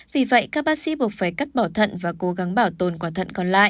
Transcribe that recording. vì vậy các bác sĩ buộc phải cắt bỏ thận và cố gắng bảo tồn quả thận còn lại